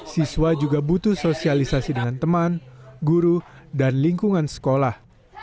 siswa juga butuh sosialisasi dengan teman guru dan lingkungan sekolah